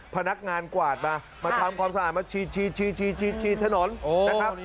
พนักงานกวาดมามาทำความสะอาดมาชีชีชีชีชีชีชีถนนนะครับ